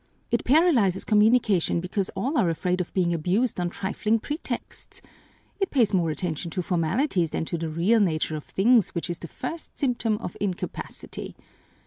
It paralyzes communication because all are afraid of being abused on trifling pretexts. It pays more attention to formalities than to the real nature of things, which is the first symptom of incapacity.